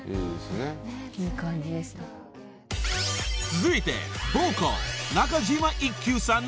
［続いて］